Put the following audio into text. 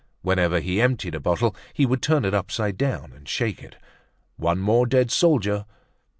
Whenever he emptied a bottle, he would turn it upside down and shake it. One more dead solder!